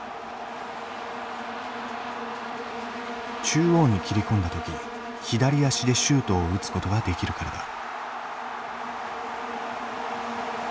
中央に切り込んだ時左足でシュートを打つことができるからだ。